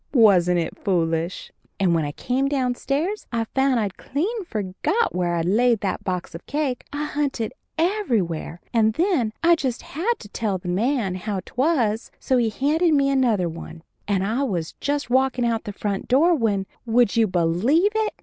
Wasn't it foolish? And when I came downstairs I found I'd clean forgot where I'd laid that box of cake. I hunted everywhere, and then I just had to tell the man how 'twas, so he handed me another one, and I was just walkin' out the front door when, would you believe it!